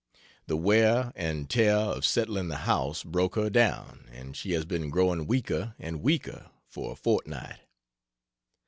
The wear and tear of settling the house broke her down, and she has been growing weaker and weaker for a fortnight.